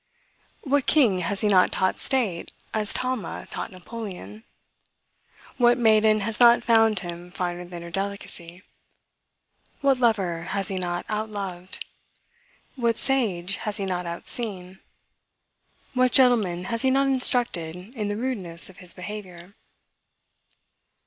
What king has he not taught state, as Talma taught Napoleon? What maiden has not found him finer than her delicacy? What lover has he not outloved? What sage has he not outseen? What gentleman has he not instructed in the rudeness of his behavior?